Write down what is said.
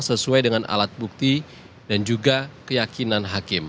sesuai dengan alat bukti dan juga keyakinan hakim